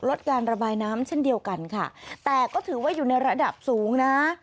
ลดการระบายน้ำเช่นเดียวกันค่ะแต่ก็ถือว่าอยู่ในระดับสูงนะ